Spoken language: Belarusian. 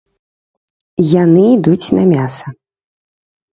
Яны ідуць на мяса.